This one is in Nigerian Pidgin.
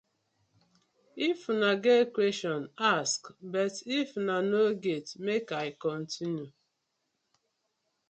If una get question, ask but if una no get, mek I continue.